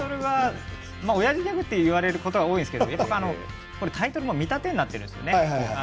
おやじギャグと言われることが多いんですけどタイトルも見立てになっているんですよね。